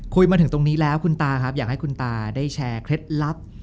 มาถึงตรงนี้แล้วคุณตาครับอยากให้คุณตาได้แชร์เคล็ดลับ